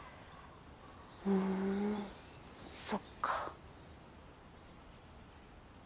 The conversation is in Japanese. ふんそっか。